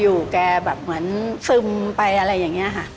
แกแบบเหมือนซึมไปอะไรอย่างนี้ค่ะ